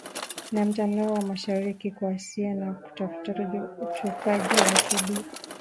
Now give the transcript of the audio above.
na Mtandao wa Mashariki mwa Asia wa Kufuatilia Utupaji wa Asidi